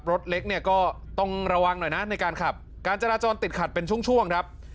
รถเล็กเนี่ยก็ต้องระวังหน่อยนะในการขับการจราจรติดขัดเป็นช่วงช่วงครับ